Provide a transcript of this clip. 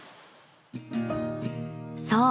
［そう。